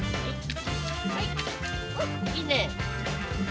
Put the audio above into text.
いいね。